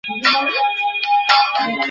তুমি পারবে না তো কে পারবে?